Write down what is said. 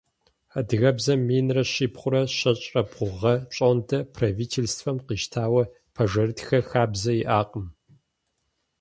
Адыгэбзэм минрэ щибгъурэ щэщӏрэ бгъу гъэ пщӏондэ правительствэм къищтауэ пэжырытхэ хабзэ иӏакъым.